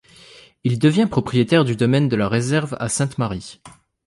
Il devient propriétaire du domaine de La Réserve à Sainte-Marie.